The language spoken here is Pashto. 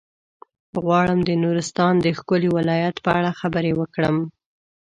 غواړم د نورستان د ښکلي ولايت په اړه خبرې وکړم.